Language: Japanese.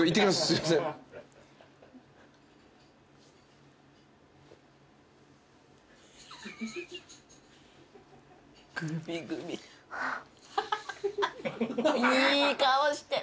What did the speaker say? いい顔して。